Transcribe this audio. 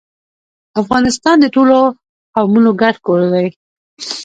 افغانستان د ټولو قومونو ګډ کور دی.